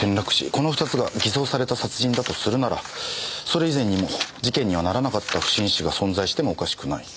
この２つが偽装された殺人だとするならそれ以前にも事件にはならなかった不審死が存在してもおかしくない。